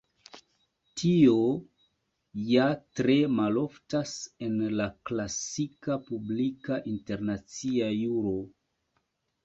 Tio ja tre maloftas en la klasika publika internacia juro.